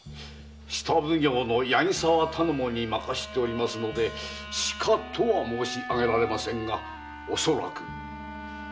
下奉行の八木沢頼母に任せておりますのでしかとは申し上げられませんが恐らく。